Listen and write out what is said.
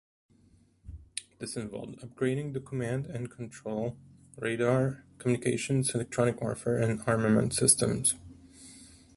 This involved upgrading the command and control, radar, communications, electronic warfare and armament systems.